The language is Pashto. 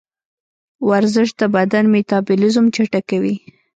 ورزش د بدن میتابولیزم چټکوي.